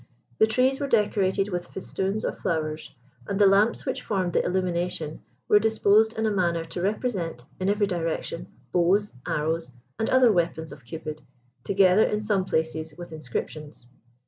The trees were decorated with festoons of flowers, and the lamps which formed the illumination were disposed in a manner to represent, in every direction, bows, arrows, and other weapons of Cupid, together, in some places, with inscriptions.